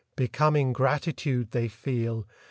Becoming gratitude they feel.